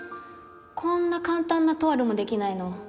こんな簡単なトワルもできないの？